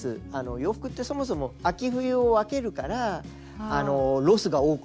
洋服ってそもそも秋冬を分けるからロスが多くなるんです。